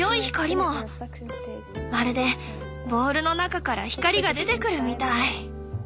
まるでボールの中から光が出てくるみたい。